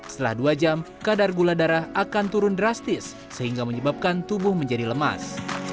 setelah dua jam kadar gula darah akan turun drastis sehingga menyebabkan tubuh menjadi lemas